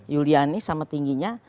julianis sama tingginya